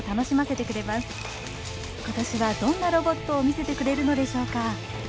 今年はどんなロボットを見せてくれるのでしょうか？